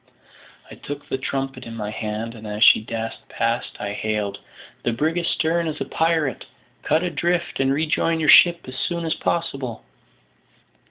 I took the trumpet in my hand, and as she dashed past, I hailed, "The brig astern is a pirate; cut adrift and rejoin your ship as soon as possible."